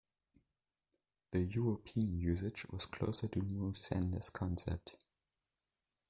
The European usage was closer to Mosander's concept.